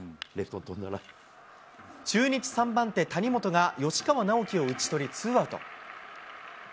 中日３番手、谷元が吉川尚輝を打ち取り、ツーアウト。